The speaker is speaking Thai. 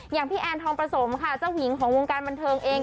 อย่างพี่แอนทองประสมค่ะเจ้าหญิงของวงการบันเทิงเอง